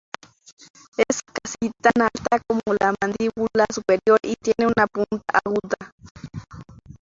Es casi tan alta como la mandíbula superior y tiene una punta aguda.